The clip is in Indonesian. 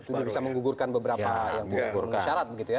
itu bisa menggugurkan beberapa syarat begitu ya